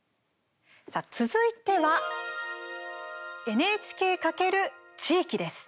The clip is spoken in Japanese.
さあ、続いてはＮＨＫ×地域です。